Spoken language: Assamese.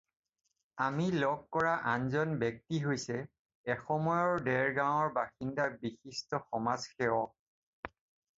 আমি লগ কৰা আনজন ব্যক্তি হৈছে এসময়ৰ দেৰগাঁৱৰ বাসিন্দা বিশিষ্ট সমাজ সেৱক।